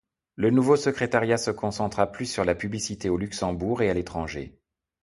Le nouveau secrétariat se concentra plus sur la publicité au Luxembourg et à l’étranger.